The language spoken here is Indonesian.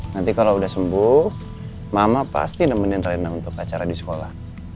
nanti kalau udah sembuh mama pasti nemenin raina untuk acara di sekolah